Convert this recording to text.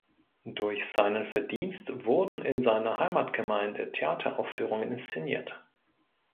Durch seinen Verdienst wurden in seiner Heimatgemeinde Theateraufführungen inszeniert.